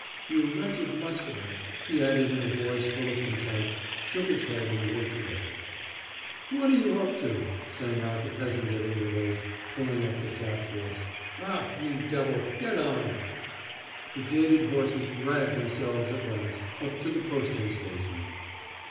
'You wretched Muscovite,' he added in a voice full of contempt, shook his head and limped away. 'What are you up to?' sang out the peasant at intervals, pulling at the shaft horse. 'Ah, you devil! Get on!' The jaded horses dragged themselves at last up to the posting station.